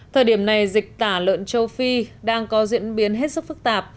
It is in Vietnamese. thời điểm này dịch tả lợn châu phi đang có diễn biến hết sức phức tạp